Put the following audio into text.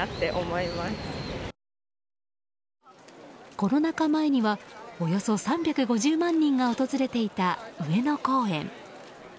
コロナ禍前にはおよそ３５０万人が訪れていた上野公園。